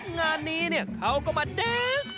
งานนี้เขาก็มาเดนส์